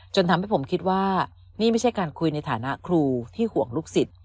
จนทำให้ผมคิดว่านี่ไม่ใช่การคุยในฐานะครูที่ห่วงลูกศิษย์